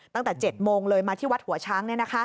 ตั้งแต่๗โมงเลยมาที่วัดหัวช้างเนี่ยนะคะ